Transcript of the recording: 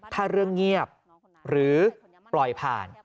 ถ้าเรื่องเงียบหรือปล่อยผ่าน